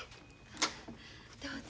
どうぞ。